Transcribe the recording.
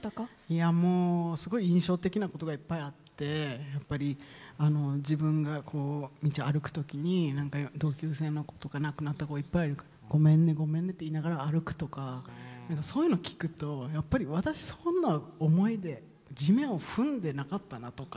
いやもうすごい印象的なことがいっぱいあってやっぱり自分がこう道を歩く時に同級生の子とか亡くなった子がいっぱいいるから「ごめんねごめんね」って言いながら歩くとかそういうの聞くとやっぱり私そんな思いで地面を踏んでなかったなとか